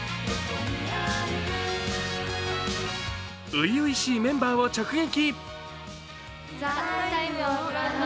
初々しいメンバーを直撃！